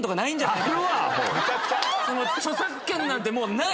著作権なんてもうない！